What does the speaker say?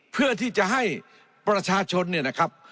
เพื่อที่จะให้ประชาชนเนี่ยนะครับ